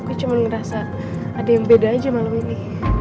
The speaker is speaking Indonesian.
gue cuma ngerasa ada yang beda aja malam ini